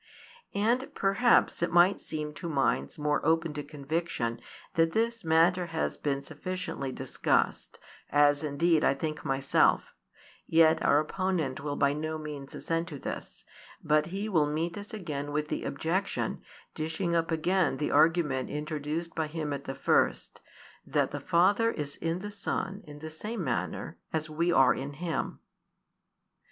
And perhaps it might seem to minds more open to conviction that this matter has been sufficiently discussed, as indeed I think myself: yet our opponent will by no means assent to this; but he will meet us again with the objection, dishing up again the argument introduced by him at the first, that the Father is in the Son in the same manner, as we are in Him.